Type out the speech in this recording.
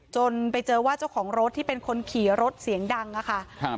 จนไปเจอว่าเจ้าของรถที่เป็นคนขี่รถเสียงดังอะค่ะครับ